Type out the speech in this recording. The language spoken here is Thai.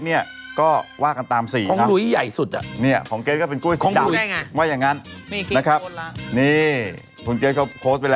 บอกว่าของเกรทต่างอย่างไง